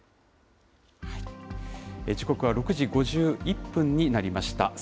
時刻は６時５１分になりました。